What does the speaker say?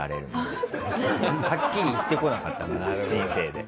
はっきり言ってこなかったから人生で。